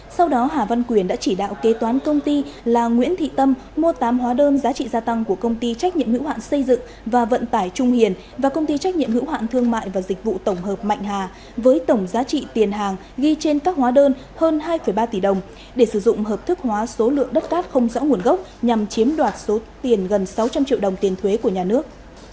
sau đó hà văn quyền đã chỉ đạo kế toán công ty là nguyễn thị tâm mua tám hóa đơn giá trị gia tăng của công ty trách nhiệm hữu hạn xây dựng và vận tải trung hiền và công ty trách nhiệm hữu hạn thương mại và dịch vụ tổng hợp mạnh hà với tổng giá trị tiền hàng ghi trên các hóa đơn hơn hai ba tỷ đồng để sử dụng hợp thức hóa số lượng đất cát không rõ nguồn gốc nhằm chiếm đoạt số tiền gần sáu trăm linh triệu đồng tiền thuế của nhà nước